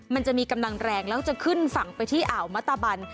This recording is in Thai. มันจะมีกำลังแรงแล้วจะขึ้นฝั่งไปที่อ่าวมัตตะบัน